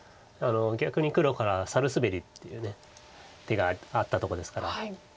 逆に黒からサルスベリっていう手があったとこですから。